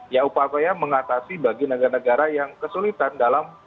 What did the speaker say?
ya upaya upaya mengatasi bagi negara negara yang kesulitan dalam